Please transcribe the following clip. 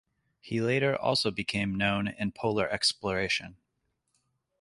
He later also became known in Polar exploration.